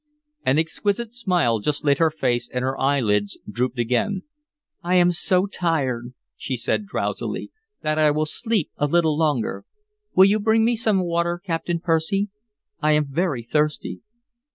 An exquisite smile just lit her face, and her eyelids drooped again. "I am so tired," she said drowsily, "that I will sleep a little longer. Will you bring me some water, Captain Percy? I am very thirsty."